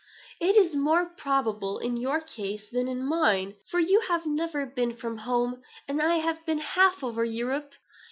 It is more probable in your case than in mine; for you have never been from home, and I have been half over Europe."